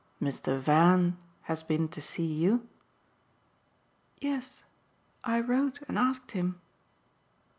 "Mr. Van has been to see you?" "Yes. I wrote and asked him."